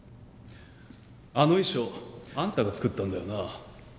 あの遺書あんたが作ったんだよな？